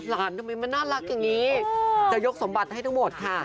ทำไมมันน่ารักอย่างนี้จะยกสมบัติให้ทั้งหมดค่ะ